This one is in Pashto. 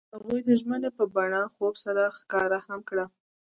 هغوی د ژمنې په بڼه خوب سره ښکاره هم کړه.